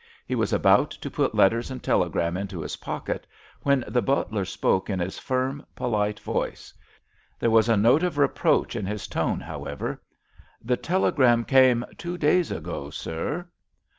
He was about to put letters and telegram into his pocket when the butler spoke in his firm, polite voice. There was a note of reproach in his tone, however, "The telegram came two days ago, sir."